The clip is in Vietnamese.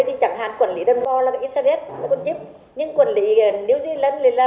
chẳng hạn quản lý đơn bò là cái xe đét cái con chip